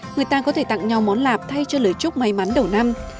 người ta có thể tặng nhau món lạp thay cho lời chúc may mắn đầu năm